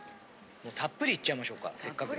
たっぷりいっちゃいましょうかせっかく。